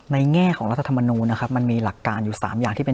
แง่ของรัฐธรรมนูลนะครับมันมีหลักการอยู่๓อย่างที่เป็น